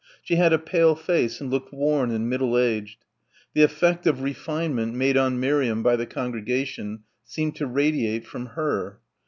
She had a pale face and looked worn and middle aged. The effect of "refinement" made on Miriam by the congregation seemed to radiate from her.